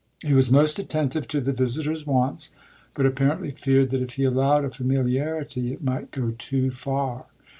He was most attentive to the visitor's wants, but apparently feared that if he allowed a familiarity it might go too far.